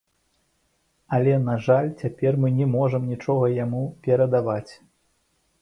Але, на жаль, цяпер мы не можам нічога яму перадаваць.